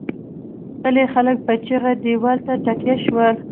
پلې خلک په چيغه دېوال ته تکيه شول.